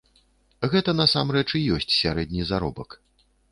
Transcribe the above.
Гэта насамрэч і ёсць сярэдні заробак.